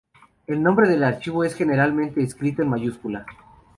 El nombre del archivo es generalmente escrito en mayúsculas.